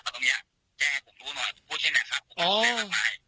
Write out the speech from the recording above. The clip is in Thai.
แจ้ว่าผมรู้หน่อยพูดใช่ไหมครับผมก็ไม่ได้ขอบคุมให้